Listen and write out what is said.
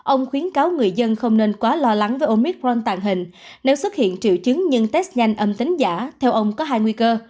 ông khuyến cáo người dân không nên quá lo lắng với omicron tàng hình nếu xuất hiện triệu chứng nhưng test nhanh âm tính giả theo ông có hai nguy cơ